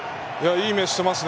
いい目をしてますね。